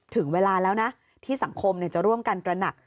ถึงเวลาแล้วนะที่สังคมจะร่วมกันตระหนัก